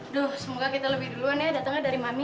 duh semoga kita lebih duluan ya datangnya dari mami